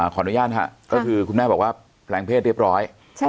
ขออนุญาตค่ะก็คือคุณแม่บอกว่าแปลงเพศเรียบร้อย